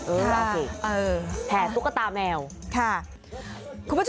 เออโอเคแห่ตุ๊กตาแมวค่ะคุณผู้ชม